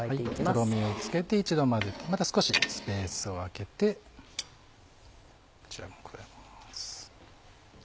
とろみをつけて一度混ぜてまた少しスペースを空けてこちらも加えます。